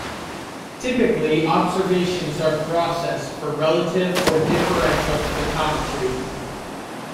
Typically, observations are processed for relative, or differential photometry.